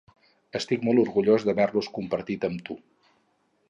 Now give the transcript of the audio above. Estic molt orgullós d'haver-los compartit amb tu...